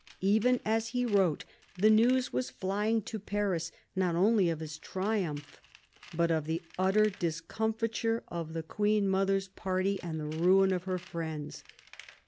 Even as he wrote the news was flying to Paris, not only of his triumph, but of the utter discomfiture of the Queen mother's party and the ruin of her friends.